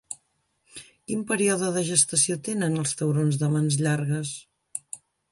Quin període de gestació tenen els taurons de mans llargues?